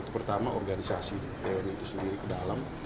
terutama organisasi tni itu sendiri ke dalam